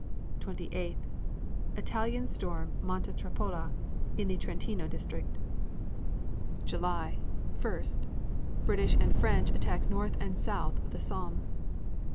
28. Italians storm Monte Trappola, in the Trentino district. July 1. British and French attack north and south of the Somme.